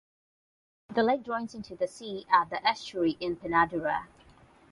The lake drains into the sea at the estuary in Panadura.